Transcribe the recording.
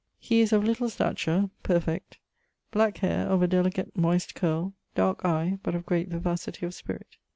He is of little stature, perfect; black haire, of a delicate moyst curle; darke eie, but of great vivacity of spirit.